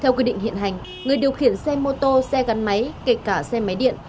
theo quy định hiện hành người điều khiển xe mô tô xe gắn máy kể cả xe máy điện